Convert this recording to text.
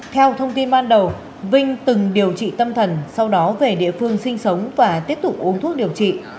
theo thông tin ban đầu vinh từng điều trị tâm thần sau đó về địa phương sinh sống và tiếp tục uống thuốc điều trị